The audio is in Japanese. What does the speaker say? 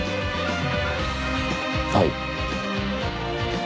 はい。